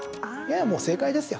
いや、もう正解ですよ。